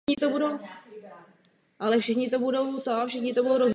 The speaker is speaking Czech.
Samičí klásky jsou za plodu nápadně převislé.